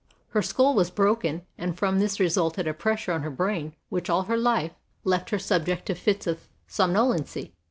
Her skull was broken and from this resulted a pressure on her brain which all her life left HARRIET TUBMAN 29 her subject to fits of somnolency.